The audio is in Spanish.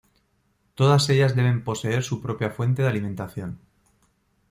Todas ellas deben poseer su propia fuente de alimentación.